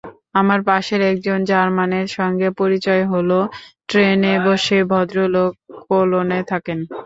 আমার পাশের একজন জার্মানের সঙ্গে পরিচয় হলো ট্রেনে বসে, ভদ্রলোক কোলনে থাকেন।